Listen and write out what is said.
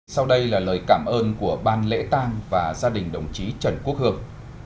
sau đây là lời cảm ơn của ban lễ tang và gia đình đồng chí trần quốc hương